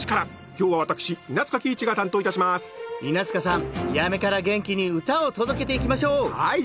今日は私稲塚貴一が担当いたします稲塚さん八女から元気に唄を届けていきましょうはい！